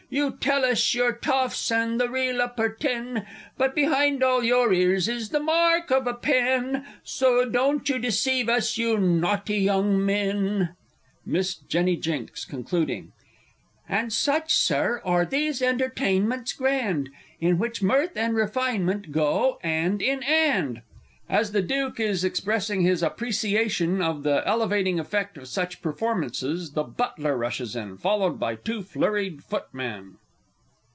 You tell us you're toffs, and the real Upper Ten, But behind all your ears is the mark of a pen! So don't you deceive us, you notty young men! Miss J. J. (concluding). And such, Sir, are these entertainments grand, In which Mirth and Refinement go 'and in 'and! [As the Duke is expressing his appreciation of the elevating effect of such performances, the Butler rushes in, followed by two flurried Footmen.